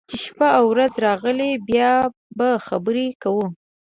چې شپه او رځې راغلې، بیا به خبرې کوو.